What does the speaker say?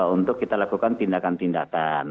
untuk kita lakukan tindakan tindakan